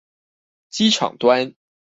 機場端